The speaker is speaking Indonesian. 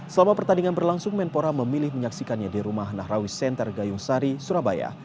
selama pertandingan berlangsung menpora memilih menyaksikannya di rumah nahrawi center gayung sari surabaya